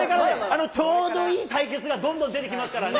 ちょうどいい対決がどんどん出てきますからね。